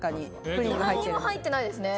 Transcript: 何も入ってないですね。